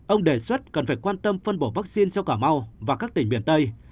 ông đề xuất cần phải quan tâm phân bổ vaccine cho cả mau và các tỉnh miền tây